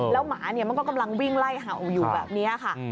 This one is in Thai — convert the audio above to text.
แล้วหมามันก็กำลังวิ่งไล่เห่าอยู่แบบนี้ค่ะ